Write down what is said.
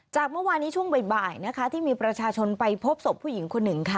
เมื่อวานี้ช่วงบ่ายนะคะที่มีประชาชนไปพบศพผู้หญิงคนหนึ่งค่ะ